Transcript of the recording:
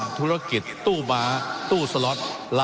ว่าการกระทรวงบาทไทยนะครับ